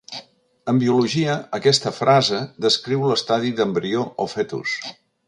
En biologia aquesta frase descriu l'estadi d'embrió o fetus.